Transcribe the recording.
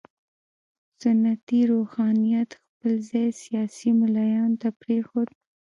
سنتي روحانیت خپل ځای سیاسي ملایانو ته پرېښود.